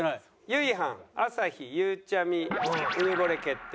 ゆいはん朝日ゆうちゃみうぬぼれ決定。